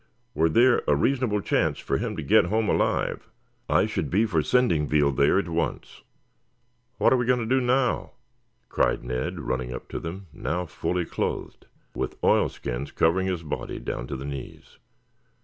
"Were there a reasonable chance for him to get home alive I should be for sending Veal there at once." "What are we going to do now?" cried Ned running up to them, now fully clothed, with oilskins covering his body down to the knees.